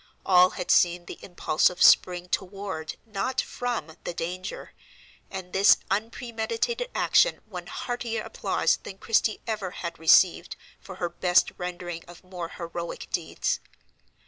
All had seen the impulsive spring toward, not from, the danger, and this unpremeditated action won heartier applause than Christie ever had received for her best rendering of more heroic deeds.